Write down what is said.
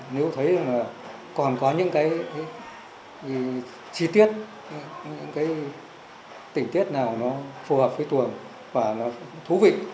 nếu thấy còn có những cái chi tiết những cái tỉnh tiết nào nó phù hợp với tuồng và nó thú vị